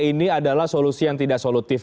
ini adalah solusi yang tidak solutif